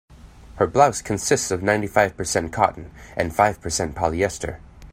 Her blouse consists of ninety-five percent cotton and five percent polyester.